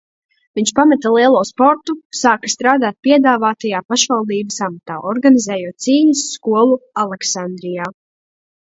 Viņš pameta lielo sportu, sāka strādāt piedāvātajā pašvaldības amatā, organizējot cīņas skolu Aleksandrijā.